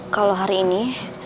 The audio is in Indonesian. kalau hari ini